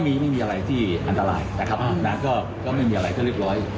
ไม่มีอะไรที่อันตรายก็ไม่มีอะไรแบบเรียบร้อย